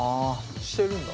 してるんだ？